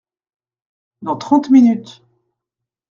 Dans trente minutes.